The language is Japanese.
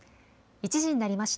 １時になりました。